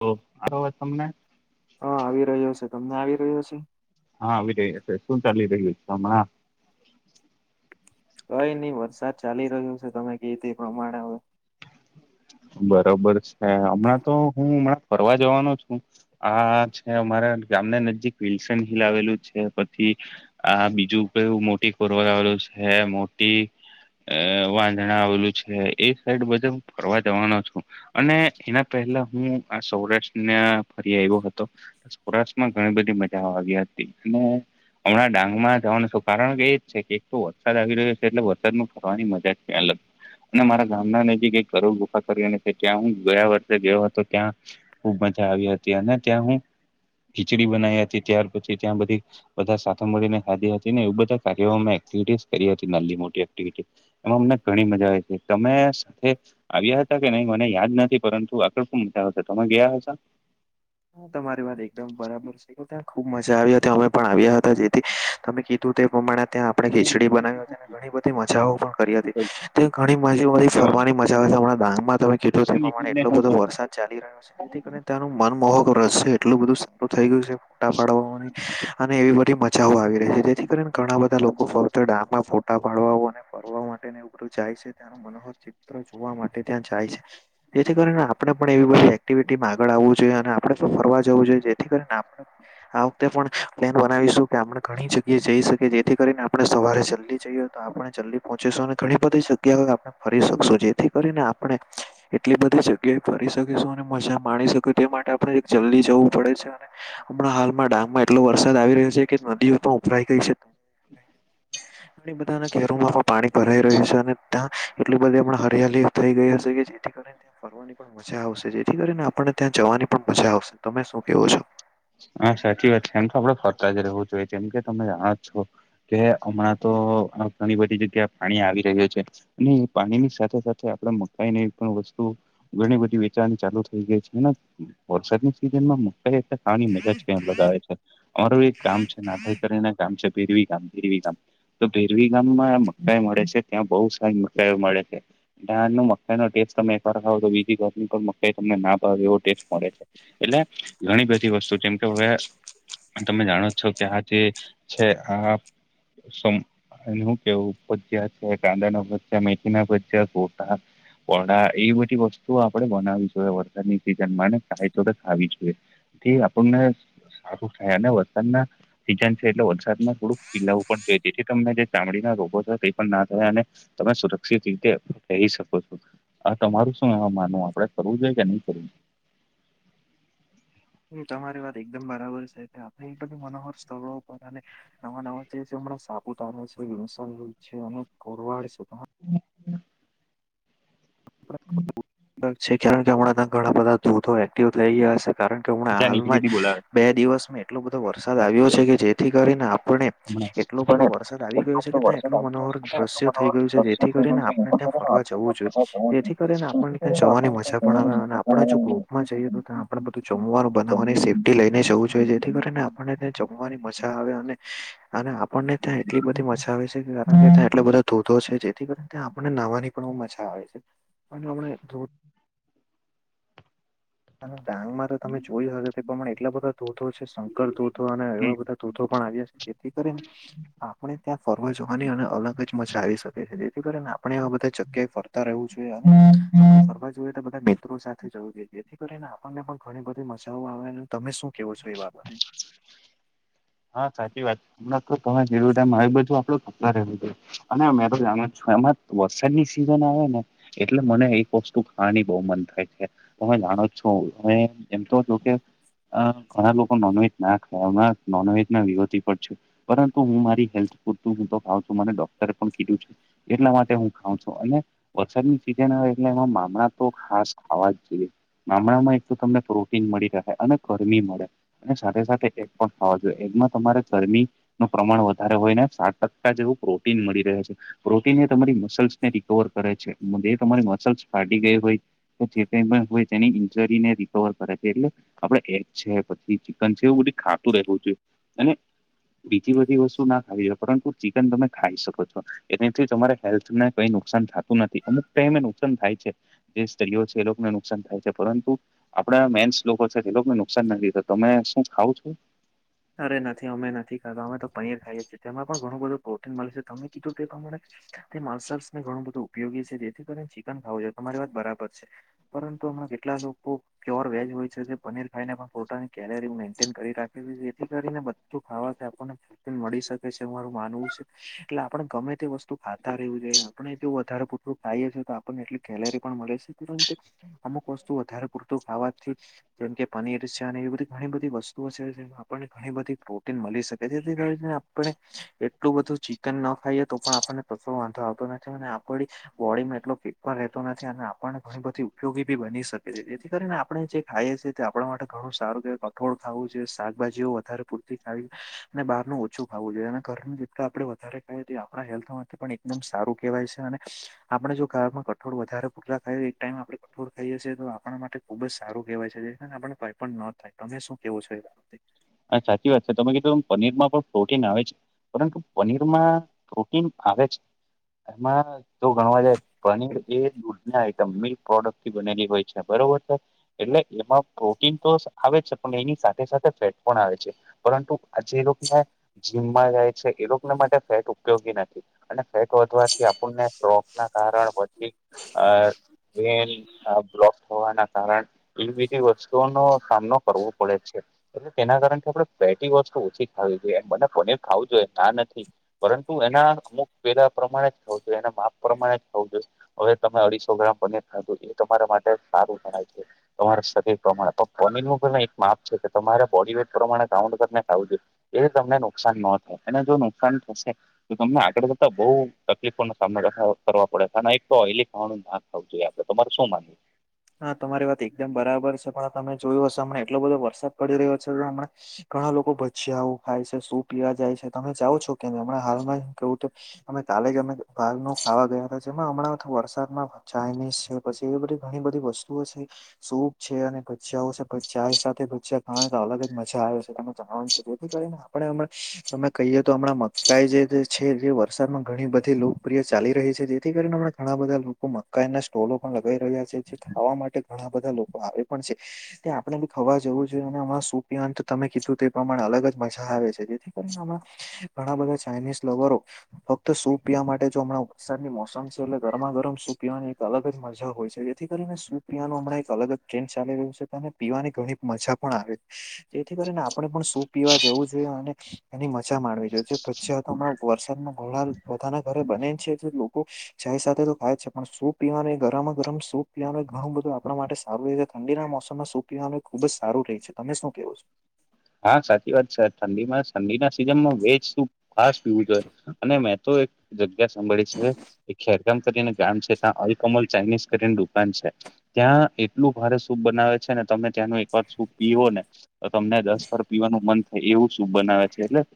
તો આરો અવાજ તમને? હા, આવી રહ્યો છે, તમને આવી રહ્યો છે? હા, આવી રહ્યો છે, શું ચાલી રહ્યું છે હમણાં? કઈ ની વરસાદ ચાલી રહ્યો છે, તમે કી તે પ્રમાણે હવે બરોબર છે, હમણાં તો હું હમણાં ફરવા જવાનો છું. આ છે, અમારા ગામના નજીક વિલ્સન હિલ આવેલું છે, પછી આ બીજું કયુ મોટીપૂર આવેલુ છે, મોટી અ વાંધણા આવેલું છે, એ સાઈડ બધુ ફરવા [unintelligible] અને એના પહેલા હું આ સૌરાષ્ટ્રને ફરી આયવો હતો, સૌરાષ્ટ્રમાં ઘણી બધી મજા આવી હતી, ઈનુ હમણાં ડાંગમાં જવાનું છુ, કારણ એ જ છે કે તો વરસાદ આવી રહ્યો છે, એટલે વરસાદમાં ફરવાની મજા જ કઈ અલગ અને મારા ગામના નજીક એક કરોડ [unintelligible] ત્યાં હું ગયા વર્ષે ગયો હતો, ત્યાં ખુબ મજા આવી હતી અને ત્યાં હું ખીચડી બનાઈ હતી. ત્યાર પછી ત્યાં બધી બધા સાથે મળીને ખાધી હતી ને એવું બધા કાર્યોમાં મે એક્ટિવિટીસ કરી હતી, નલ્લી મોટી ટીવીટી, એમાં અમને ઘણી મજા આઈ તી તમે સાથે આવ્યા હતા કે નઈ મને યાદ નથી પરંતુ આગળ શું [unintelligible] તમે ગયા હતા? તમારી વાત એકદમ બરાબર છે. થઈ ગઉતા ખુબ મજા આવી હતી અમે પણ આવ્યા હતા, જેથી તમે કીધું તે પ્રમાણે ત્યા આપડે ખીચડી બનાવી હતી, પી ને ઘણી બધી મજાઓ પણ કરી હતી. ત્યાં ઘણી [unintelligible] ફરવાની મજા આવે છે, હમણાં ડાંગમાં તમે કીધુ તે પ્રમાણે એટલો બધો હતા વરસાદ ચાલી રહ્યો છે, તેથી તમે ત્યાંનું મનમોહક રશ્ય એટલું બધું સારું થઈ ગયું છે, ફોટા પાડવાની અને એવી બધી મજાઓ આવી રહી, જેથી કરીન ઘણા બધા લોકો ફક્ત ડાંગમાં ફોટા પાડવાઓ અને ફરવા માટેને એવું બધું જાય છે, ત્યાંનો મનોહર ચિત્ર જોવા માટે ત્યાં જાય છે. જેથી કરીને આપણે પણ એવી બધી એક્ટિવિટીમાં આગળ આવવું જોઈએ, અને આપણે શું ફરવા જવું જોઈએ. જેથી કરીન આપણે આ વખતે પણ પ્લેન બનાવીશું કે, આપણે ઘણી જગ્યાએ જઈ શકીએ, જેથી કરીને આપણે સવારે જલ્દી જઈએ તો આપણે જલ્દી પહોંચીશું, ને ઘણી બધી જગ્યાઓએ આપણે ફરી શકશું, જેથી કરીને આપણે એટલી બધી જગ્યાએ ફરી શકીશું ને મજા માણી શકુ, તે માટે આપણે એક જલ્દી જવું પડે છે, અને હમણાં હાલમાં ડાંગમાં એટલો વરસાદ આવી રહ્યો છે કે, નદીઓ તો ઉભરાઈ ગઈ છે. એને બધાના ઘેરોમાં પણ પાણી ભરાઈ રહ્યું છે, અને તા એટલી બધી અમણાં હરિયાલી થઈ ગઈ હશે કે, જેથી કરીન ત્યાં ફ રવાની પણ મજા આવશે, જેથી કરીન આપણને ત્યાં જવાની પણ મજા આવશે, તમે શું કેવો છો? હા, સાચી વાત છે. એમ તો આપડે ફરતા જ રેહવું જોઈએ, જેમ કે તમે જાણો જ છો કે હમણાં તો આ ઘણી બધી જગ્યા પાણી આવી રહ્યું છે. હમ્મ પાણીની સાથે સાથે આપડે મકાઈની એવી પણ વસ્તુ ઘણી બધી વેચાવાની ચાલુ થ થઈ ગઈ છે. ને વરસાદની સિઝનમાં મકાઈ એ રીતે ખાવાની મજા જ કઈ અલગ આવે છે. ઓર એક ગામ છે, નાભઈ કરીને ગામ છે, પેઢવી ગામ, ભેરવી ગામ તો ભેરવી ગામમાં આ મ કાઈ મળે છે, ત્યાં બહુ સાઇ મકાઈઓ મળે છે. ધાનનુ મકાઈ નો ટેસ્ટ તમે એકવાર ખાવો તો બીજી ઘરની પણ મકાઈ તમને ના ભાવ એવો ટેસ્ટ મળે છે. એટલે ઘણી બ તી વસ્તુ જેમ કે હવે તમે જાણોજ છોકે આ જે છે આ સમ અહી હું કેવું ભજીયા છે, કાંદા ના ભજીયા, મેથી ના ભજીયા, ગોટા વડા એ બધી વસ્તુઓ આપડણે બનાવી જોઈએ, વરસાદની સિઝન માં ને ચાય જોડે ખાવી જોઈએ. તે આપણને સારું થાય અને વરસાદના સિજન છે એટલે વરસાદમાં થોડુંક પીલાવુ પણ જોઈએ, જેથી તમને જે ચામડીના રોગો છે તે પણ ના થાય અને તમે સુરક્ષિત રીતે રહી શકો છો. આ તમારું શું એમા માનવું? આપડે ફરવું જોઈએ કે ની ફરવું? હમ્મ તમારી વાત એકદમ બરાબર છે, કે આપણે બધું મનોહર સ્થળો પર અને નવા નવા જે છે હમણાં સાપુતારો છે, વિલ્સન હીલ છે, અને કોરવાડ છે, [unintelligible] છે કારણ કે હમણાં ત્યાં ઘણા બધા ધોધો એક્ટિવ થઈ ગયા છે. કારણ કે હમણા જ્યાં નીકળી હાલમાં જ તી બોલાવે બે દિવસ મે એટલો બધો વરસાદ આવ્યો નથી છે કે જેથી કરીને આપણે હમણાં એટલો બધો વરસાદ પણ આવી ગયો છે કે આટલો ત્યાં વરસાદ એટલું આવી મનોહર રહ્યો છે એટલો દ્રશ્ય થઈ મનોહર ગયું છે, દ્રશ્ય જેથી થઈ રહ્યું કરીને છે લોકો આપણે ત્યાં સાથે ફરવા જવું આત્મા ફસાઈ જવો જોઈએ. છે જેથી કરીને આપણને ક્યાં કરીને જવાની આપણને મજા પણ આવે, અને આપણે જો કઈ ગ્રુપમાં જઈએ તો ત્યાં આપણે બધું જોમવાનું બનાવવાની સેફ્ટી કહેવાની. લઈને જવું જોઈએ જેથી કર આપને ત્યા જમવાની મજા આવે અને, અને આ પણને ત્યાં એટલી બધી મજા આવે છે, કારણ કે ત્યાં એટલો બધો ધોધો છે જેથી કરીને ત્યાં આપણને નહવાની પણ બહુ મજા આવે છે. પણે હમણાં ધોધ ડાંગમાં તો તમે જોય હોતે પ્રમાણે એટલા બધા ધોધો છે શંકર ધોધો અને એવા બધા ધોધો પણ આવીયા શે, જેથી કરીને આપણે ત્યાં ફરવા જોવાની અને અલગ જ મજા આવી શકે છે, જેથી કરીને આપણે આવા બધા જગ્યાએ ફર તા રહેવું જોઈએ, અને આપણે ફરવા જોઈએ તો બધા મિત્રો સાથે જવું જોઈએ જે થી કરીને આપણને પણ ઘણી બધી મજાઓ આવે, તમે શું કેવો છો એ બાબતે? હા સાચી વાત, હમણાં તો તમે કીધું તેમ હવે બધું આપડું લીધે અને મે તો જાણુજ છુ, એમાં વરસાદની સિઝન આવે ને એટલે મને એક વસ્તુ ખાવાની બહુ મન થાય છે, તમે જાણો છો એમ તો જો કે અ ઘણા લોકો નોનવેજ ના ખાય હમણાં નોનવેજના વિરોધી પણ છે. પરંતુ હું મારી હેલ્થ પૂરતું હું તો ખાઉ છું. મને ડોક્ટરે પણ કીધું છે એટલા માટે હું ખાઉં છું અને વરસાદની સીઝન આવે એટલે એમાં મામણા તો ખાસ ખાવા જ જોઈએ. મામણાં એક તો તમને પ્રોટીન મળી રહે અને ગરમી મળે અને સાથે સાથે એક પણ હા જોઈએ એક મા તમારે ગરમી નું પ્રમાણ વધારે હોય ને સાત ટકા જેવું પ્રોટીન મળી રહે છે. પ્રોટીન એ તમારી મસલ્સ ને રિકવર કરે છે. જે તમારી મસલ્સ ફાટી ગઈ હોય જે કઈ પણ હોય તેની ઇન્જરીને રિકવર કરે છે એટલે આપડે એગ છે પછી ચિકન છે એવું બધી ખા તું રેતુ છે. બીજી બધી વસ્તુ ના ખાવી છે પરંતુ ચિકન તમે ખાઈ શકો છો. એનાથી તમારે હેલ્થને કઈ નુકસાન થતું નથી. અમુક ટાઈમે નુકસાન થાય છે. જે સ્ત્રીઓ છે એ લોકોને નુકસાન થાય છે. પરંતુ આપણા મેન્સ લોકો છે તે લોકોને નુકસાન નથી થતું તમે શું ખાવ છો. અરે નથી અમે નથી ખાધા. અમે તો પનીર ખાઈએ તેમાં પણ ઘણું બધું પ્રોટીન મળે છે તમે કીધું તે પ્રમાણે તે મસલ્સને ઘણું બધું ઉપયોગી છે જેથી કરીને ચિકન ખાવું જોઈએ તમારી વાત બરાબર છે. પરંતુ હમણાં કેટલા લોકો પ્યોર વેજ હોય છે પનીર ખાઈને પોતાની કેલરી મેન્ટેન કરી રાખી કરીને બધું ખાવાથી આપણને. મળી શકે છે મારું માનવું છે એટલે આપણે ગમે તે વસ્તુ ખાતા રહેવું જોઈએ આપણે જો વધારે પતું ખાઈએ છે તો આપણને એટલી કેલેરી પણ મળે છે કે અમુક વસ્તુ વધારે પૂરત ખાવાથી જેમ કે પનીર છે અને એવી બધી ઘણી બધી વસ્તુઓ છે જે ને ઘણી બધી પ્રોટીન મળી શકે જેથી કરીને આપણે એટલું બધું ચિકન ના ખાઈએ તો પણ આપણને કશો વાંધો આવતો નથી. અને આપડી બોડીમાં એટલો પેટમા રહેતો નથી અને આપણને ઘણી બધી ઉપયોગી બી બની શકે છે જેથી કરીને આપણે જે ખાઈએ છીએ તે આપણા માટે ઘણું સારું કે કઠોળ ખાવું જોઈએ સાત શાકભાજીઓ વધારે પૂરતી ખાવી અને બારનું ઓછું ખાવું જોઈએ અને ઘરનું જે આપડે વધારે ને તે આપણા હેલ્થ માટે પણ એકદમ સારું કેહવાય છે. અને આપડે જો ખાવામાં કઠોળ વધારે પૂરલા ખાય ટાઈમ આપણે કઠોર ખાઈએ છી તો આપણા માટે ખૂબ જ સારું કહેવાય આપણને કાંઈ પણ ન થાય. તમે શું કેવો છો એ બાબતે. હા સાચી વાત છે તમે કીધું એમ પનીરમાં પણ પ્રોટીન આવે છે. પરંતુ પનીરમાં પ્રોટીન આવે છે એમાં તો ઘણવા જાય પનીર એ દૂધ ના આઈટમ મિલ્ક પ્રોડક્ટ થી બનેલી હોય છે બરોબર છે. એટલે એમાં પ્રોટીન તો આવે છે પણ એની સાથે સાથે ફેટ પણ આવે છે. પરંતુ આ જે લોકોને જીમમાં જાય છે એ લોકોને માટે ફેટ ઉપયોગી નથી. અને ફેટ વધવાથી આપુનને સ્ટોક ના કારણ પછી અ વેન બ્લોક થવાના કારણ એ બધી વસ્તુઓ નો સામનો કરવો પડે છે. એના કારણ કે આપણે ફેટી વસ્તુ ઓછી ખાવી જોઈએ ભલે પનીર ખાવું જોઈએ ના નથી. પરંતુ એના અમુક પેલા પ્રમાણે જ ખાવુ જોઈએ એના માપ પ્રમાણે જ ખાવુ જોઈએ. હવે તમે અઢીસો ગ્રામ પનીર ખાધું એ તમારા માટે સારું ગણાય છે. તમારા શરીર પ્રમાણે પણ પનીર નું પણ એક માપ છે કે તમારે બોડી વેટ પ્રમાણે કાઉન્ટ કરીને ખાવું જોઈએ એ તમને નુકસાન ન થાય અને જો નુકસાન થશે જો તમને આગળ જતા બઉ તકલીફો નો સામનો કરવા પડે હતા એક ઓઇલી ખાવાનું ના ખાવુ જોઈએ આપડે. તમારે શું માનવું. હા તમારી વાત એકદમ બરાબર છે પણ તમે જોયું હશે હમણાં એટલો બધો વરસાદ પડી રહ્યો છે હમણા ઘણા લોકો ભજીયાએવુ ખાય છે. શું પીવા જાય છે તમે જાવ છો કેમ હમણાં હાલમાં કેવું અમે કાલે જ અમે બારનું ન ખાવા ગયા હતા જેમાં હમણાં વરસાદમાં ચાઇનીઝ છે પછી એવી બધી ઘણી બધી વસ્તુઓ છે સૂપ છે અને ભજીિયાઓ છે ભા સાથે ભ ખા તો અલગ જ મજા આવે છે તમે જણવાનીધી કરીને પણમ અમે કહીએ તો હમણાં મકાઈ જે છે જે વરસાદમાં ઘણી બધી ચાલી રહી છે જેથી કરીને ઘણા બધા લોકો મકાઈ ના સ્ટોલો પણ લગાવી રહ્યા છે. જે ખાવા માટે ઘણા બધા લોકો આવે પણ છે. ત્યાં આપણે બી ખાવા જવું જોઈએ અને હ સૂપી અંત તમે કીધું તે પ્રમાણે અલગ જ મજા આવે છે જેથી કરીનેણાં ઘણા બધા ચઇનીઝ લવરો ફક્ત સૂપ પીવા માટે જો હમણાં વરસાદની મોસમ છે એટલે ગરમા ગરમ સૂપ પીવાની એક અલગ જ મજા હોય છે. જેથી કરીને સુપ પીવાનું હમણાં એક અલગ ટ્રેન્ડ ચાલી રહ્યું છે તો પીવાની ઘણી મજા પણ આવે. જેથી કરીને આપણે પણ સુપ પીવા જવું જોઈએ અને એની મજા માણવી જોઈએ. જેણા વરસાદ ન ગોળા બધાના ઘરે બને છે લોકો જાય સાથે તો ખાય છે પણ સુ પીવાને ગરમ ગરમ સૂપ પીવાનું ઘણું બધું આપણા માટે સારું રહે છે ઠંડીના મોસમાં સ પીવાનુંય ખુબ જ સારું રહે છે તમે શું કેહો છો હા સાચી વાત છે ઠંડીમાં ઠંડીના સીઝનમાં વેજ સૂપ ખાસ પીવું જોઈએ અને મે તો એક જગ્યા સાંભળી છે ખેરકામ કરીને ગામ છે ત્યાં અલકોમોલ ચાઇનીઝ કરીને દુકાન છે ત્યાં એટલું ભારે સૂપ બનાવે છે ને તમે ત્યાંનું સૂપ છો પીવો ને તો તમને દસ પર પીવાનું મન થાય એવું સુપ બનાવે છે એટ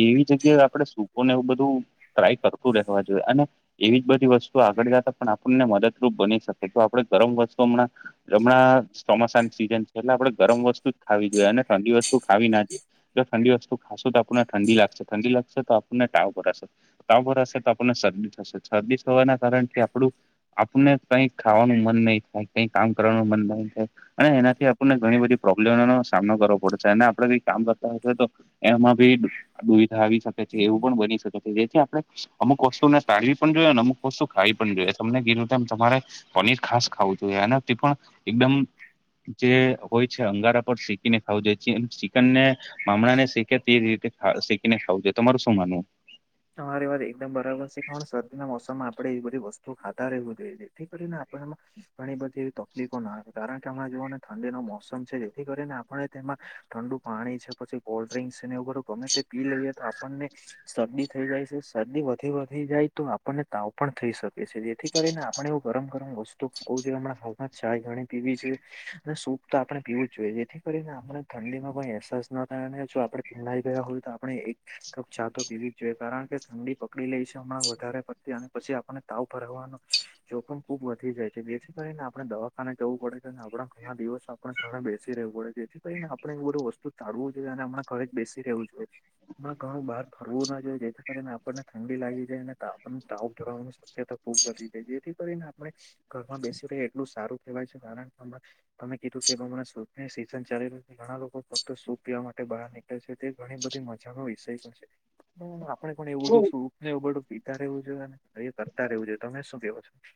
એવી જગ્યાએ આપડે સુપ ને એવું બધું ટ્રાય કરતું રહેવા જોઈએ અને એવી જ બધી વસ્તુ આગળ જતા પણ આપણને મદદ બની શકે જો આપડે ગરમ વસ્તુમાં જમણા ચોમાસાની સીઝન- - એટલે આપણે ગરમ વસ્તુ જ ખાવી જોઈએ અને ઠંડી વસ્તુ- - જો ઠંડી વસ્તુ ખાશું તો આપણને ઠંડી લાગશે ઠંડી લાગશે તો આપણને ટાવ ભરાશે- - તબર હશે તો આપણને શરદી થશે શરદી થવાના કારણથી આપણું- - આપને કઈક ખાવાનું મન નહી થાય કઈ કામ કરવાનું મન નહી થ- - અને એનાથી આપણને ઘણી બધી પ્રોબ્લેમોનોો સામનો કરવો પડશે અને આપડણે કઈ કામ કરતા હએ તો- - એમાં ભી દુવિધા આવી શકે છે એવું પણ બની શકે છે જેથી આપણે- - અમુક વસ્તુ નેાળી પણ જોઈએ ને અમુક વસ્તુ ખાઈ પણ જોઈએ તમને ગીુંમ- - તમારે પનીર ખાસ ખાવું જોઈએ અને તે પણ એકદમ- - જે હોય છે અંગારા પર શીકીને ખાવું જાય છે- - એ મામણા ને શીખે તે રીતે શીખીને ખાવું જોઈએ તમાર શું માનવું? તમારી વાત એકદમ બરાબર છે કે શરદીના મોસમમાં આપણે એવી બધી વસ્તુ ખાતા રહેવવી જોઈએ જેથી કરીને આપણેમાં- - પણ એ બધી એવી તકલીફો ના આવે કારણ કે હમણાં જોુઓ ને ઠંડી ન મોસમ છે જેથી કરીને- - આપ તેમાં ઠંડુ પાણી છે પછી કોલ્ડ્રિંકસ છે નેર ગમે તે પી લઈએ તો આપણને- - શદી- - થઈ જાય છે શરદી વધી વધ જાય તો આપણને તાવ પણ થઈ શકે છે જેથી કરીને આપણે એવું ગરમ ગરમ વસ્તુ- - તો બ છે હમણાં હાલમાં ચાય ગણી પીવી છે. અને સૂપ તો આપણે પીવું જ જોઈએ જેથી કરીને આપને ઠંડીમાં કોઈ અહેસાસ ના થાય અને જો આપડે- - પનાઈ ગયા હોય તો આપણે એક કપ ચાતો કેવી- - જો કારણ કે ઠંડી પકડી લઈ છે હમણાં વધારે પડતી અને પછી આપને તાવ ભરાવાનો- - જોખમ ખુબ વધી જાય છે બેથી કરીને આપડણે દવાખાને જવું પડે છે આપણા ઘણા દિવસ- - આપણે ઘરે બેસી રહેવું પડે જેથી ક આપણે એવું બધું વસ્તુ ચાઢવું જોઈએ અને આપણે ઘરે જ બેસી રહેવું જોઈએ. ઘણું બહાર ફરવું ના જોઈએ જેથી કારણે આપણને ઠંડી લાગી જાય ને આપણને તાવક જોવાનું- - કરી દાય જેથી કરીને આપણે ઘરમાં બેસી ર એટલું સારું કહેવાય છે કારણ કે- - તમે કીધું કે પ્રમાણે સૂપની સીઝન ચાલી રહ્યું છે ઘણા લોકો ફક્ત સૂપ પીવા માટે બહાર- - છે તે ઘણી બધી મજાનો વિષય પણ છે- - આપણે પણ એવું બધું સૂપ નેબડું પીતા રહેવું જોએ અને કાર કરતા રહેવું જો તમે શું કેવો છો?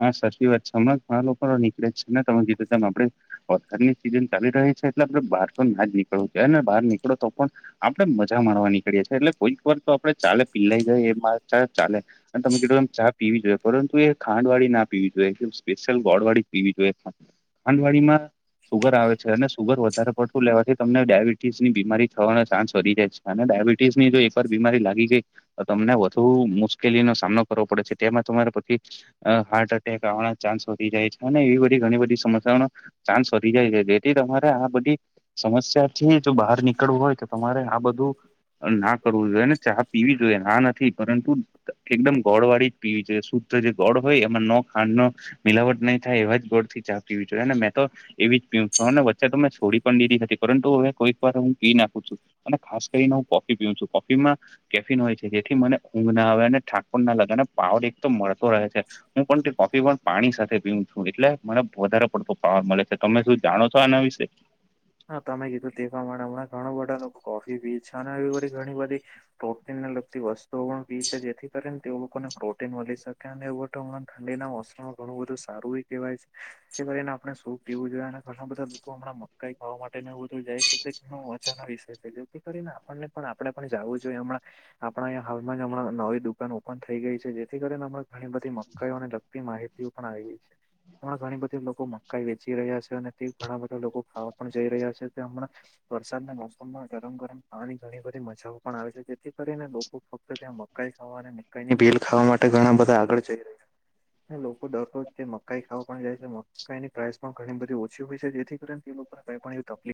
હા સાચી વાત છે હમણાં ઘણા લોકો નીકળે જ છે ને તમે જીધમ આપડે- - વરસાદની સિઝન ચાલી રહી છે એટલે આપ બહાર તો ના જ નીકળવું જો ને બહાર નીકળો તો પણ- - આપણે મજા મારવા નીકળએ છીએ એટલે કોઈ- - પર તો આપડણે ચાલે પીલાઈ જાયએ એ મા ચા ચાલે અને તમે કેધ ચા પીવી જોઈએ પરંતુ એ- - ખાંડ વાળી ના પીવી જોઈએ કે સ્પેશિયલ ગોળ વાળી પીવી જોઈએ ખાંડ વાડી માં- - સુગર આવે છે અને સુગર વધારે પડતું લેવાથી તમને ડાયાબિટીસ ની બીમારી થવાનો ચાન્સ વધી જાય છે. અને ડાયાબિટીસની જો એક વાર બીમારી લાગી ગઈ- - તમને વધુ મુશ્કેલીનો સામનો કરવો પડે છે તેમાં તમારે બધી- - હાર્ટ એટેક આવવાના ચાન્સ વધી જાય છે અને એવી બધી ઘણી બધી સમસ્યાઓનો- - ચાન્સ વધી જાય છે બેથી તમારે આ બધી- - સમસ્યા થી જો બહાર નીકળવું હોય તો તમારે આ બધું- - ના કરવું જોઈએ ને ચા પીવી જોઈએ ના નથી પરંતુ- - એકદમ ગોળ વાળી જ પીવી છે શુદ્ધ જે- - ગોડ હોય એમાં નખ- - નો મિલાવટ નહી થાય એવા જ ગોળ થી ચા પીવી જોઈએને મેં તો- - એવી પી અને વચ્ચે તો મેં છોડી પણ દીધી હતી પરંતુ હવે કોઈક વાર હું પી નાખું છું. અને ખાસ કરીને હું કોફી પીવ છું કોફીમાં કેફિન હોય છે જેથી મને ઊંઘ ના આવે અને થાક- - ના લગે અને પાવડ એક તો મળતો રહે છે હું પણ કોફી પણ- - પાણી સાથે પીવું છું એટલે મને વધારે પડતો પાવર મળે છે તમે શું જાણો છો આના વિશે? ‌ હા તમે કીધું તે માટે હમણાં ઘણું બધા લોકો કોફી બી છે અને એ બધી ઘણી બધી- - પ્રોટીનને લગતી વસ્તુઓ પણ પી છે જેથી કરીને તે લોકોને પ્રોટીન મળી શકે અને- - ઠંડીના મોસમાં ઘણું બું સારું કહેવાય છે જે કરીને આપણે શ સુપ પીવું જોઈએ. ઘણા બધા લોકો હમણાં મકાઈ ખાવા માટે એવું બધું જાય છે તે વચનનો વિષય છે કે? કરીને આપણને પણ આપણે પણ જવું જોઈએ હમણાં આપણા અહીં હાલમાં જ હમણાં નવી દુકાન ઓપન થઈ ગઈ છે જેથી કરીને હણાં ઘણી બધી મકાઈઓ અને માહિતી પણ આવી છે એમાં ઘણી બધી લોકો મકાઈ વેચી રહ્યા છે અને ઘણા બધા લોકો ખાવા પણ જઈ રહ્યા છે તે હમણાં વરસાદના મોસમમાં ગરમ ગરમ પાણી ની ઘણી બધી મજા પણ આવે છે જેથી કરીને લોકો ફક્ત ત્યાં મકાઈ ખાવાની મ ની બેલ ખાવા માટે ઘણા બધા આગળ જઈ રહ્યા છે. લોકો ડરરોજ મકાઈ ખાવા પણ જાય છે મકાઈની પ્રાઇસ પણ ઘણી બધી ઓ છે જેથી તે લોકો કઈ પણ એવી તકલીફ